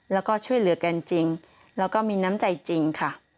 แล้วก็ช่วยเหลือกันจริงแล้วก็มีน้ำใจจริงค่ะ